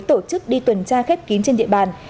tổ chức đi tuần tra khép kín trên địa bàn